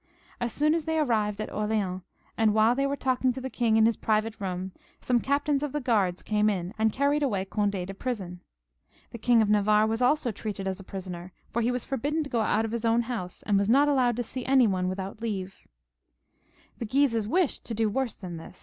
As soon as they arrived at Orleans, and while they were talking to the king in his private room, some captains of the guards came in and carried away Cond^ to prison. The King of Navarre was also treated as a prisoner, for he was forbidden to go out of his own house, and was not allowed to see any one without leave. 270 FRANCIS 11. [ch. The Guises wished to do worse than this.